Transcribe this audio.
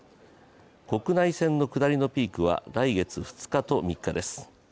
国内線の下りのピークは来月２日と３日です。